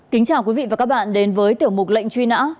kính chào quý vị và các bạn đến với tiểu mục lệnh truy nã